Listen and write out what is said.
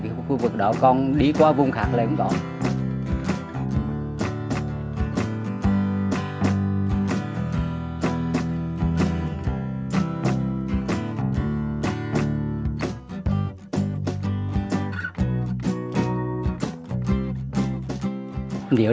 cái khu vực đó còn đi qua vùng khác là không có